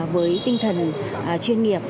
với tinh thần chuyên nghiệp